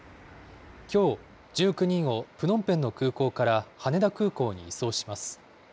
きょう、１９人をプノンペンの空港から羽田空港に移送します。